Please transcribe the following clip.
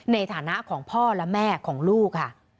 ในฐานะของพ่อและแม่ของลูกค่ะ